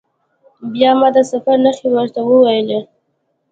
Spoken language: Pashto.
بیا ما د سفر نښې ورته وویلي.